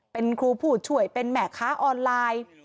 เป็นครูผู้ช่วยเป็นแม่ค้าออนไลน์